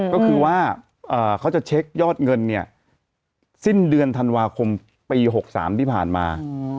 ก็คือว่าเขาจะเช็คยอดเงินเนี่ยสิ้นเดือนธันวาคมปี๖๓ที่ผ่านมา